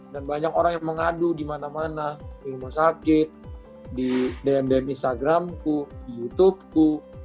dan banyak orang yang mengadu di mana mana di rumah sakit di dm dm instagramku di youtubeku